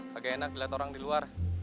kagak enak dilihat orang di luar